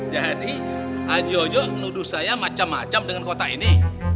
jadi haji ojo menuduh saya macam macam dengan kotak ini